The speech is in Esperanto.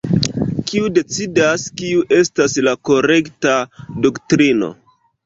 Kiu decidas kiu estas la "korekta" doktrino?